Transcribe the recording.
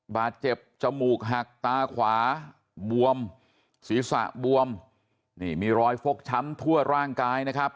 จมูกหักตาขวาบวมศีรษะบวมนี่มีรอยฟกช้ำทั่วร่างกายนะครับ